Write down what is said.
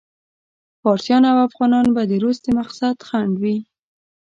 فارسیان او افغانان به د روس د مقصد خنډ وي.